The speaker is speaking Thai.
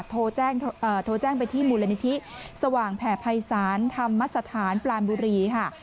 โทรแจ้งไปที่มูลนิธิสว่างแผ่ภัยศาลธรรมสถานปรานบุรีค่ะ